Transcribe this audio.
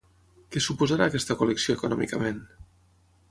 Què suposarà aquesta col·lecció econòmicament?